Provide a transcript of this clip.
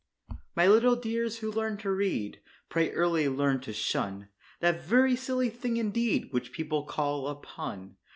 My little dears who learn to read, pray early learn to shun That very silly thing indeed, which people call a pun.